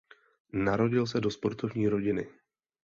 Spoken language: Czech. Narodil se do sportovní rodiny.